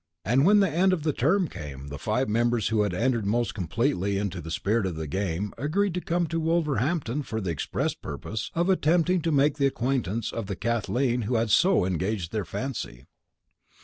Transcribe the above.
And when the end of term came, the five members who had entered most completely into the spirit of the game agreed to come to Wolverhampton for the express purpose of attempting to make the acquaintance of the Kathleen who had so engaged their fancy."